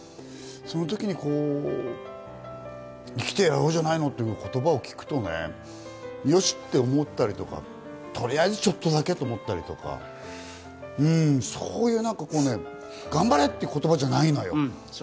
その時に生きてやろうじゃないのっていう言葉を聞くとね、よし！って思ったりとか、とりあえずちょっとだけと思ったりとか、うん、そういう、何とか頑張れという言葉じゃないのよ。